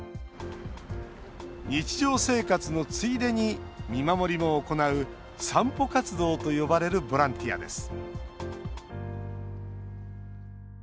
日常生活のついでに見守りを行うサンポ活動と呼ばれるボランティアです